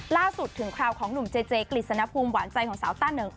ล่าสุดถึงคราวของหนุ่มเจเจกฤษณภูมิหวานใจของสาวต้าเหนิง